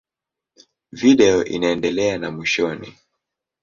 Video inaendelea na mwishoni.